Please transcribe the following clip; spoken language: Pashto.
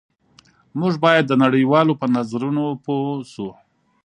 موږ باید د نړۍ والو په نظرونو پوه شو